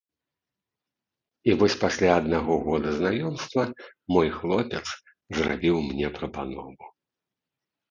І вось пасля аднаго года знаёмства мой хлопец зрабіў мне прапанову.